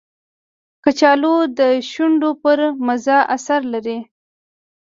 کچالو د شونډو پر مزه اثر لري